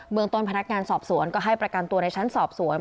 เมืองต้นพนักงานสอบสวนก็ให้ประกันตัวในชั้นสอบสวน